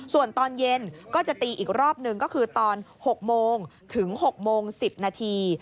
ส่วนตอนเย็นก็จะตีอีกรอบหนึ่งก็คือตอน๖โมงถึง๖โมง๑๐นาที